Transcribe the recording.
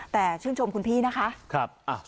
แต่ชื่นชมคุณพี่นะคะ